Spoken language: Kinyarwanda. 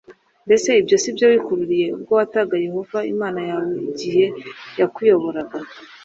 mbese ibyo si byo wikururiye ubwo wataga yehova imana yawe g igihe yakuyoboraga